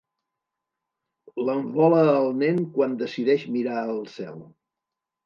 L'envola el nen quan decideix mirar el cel.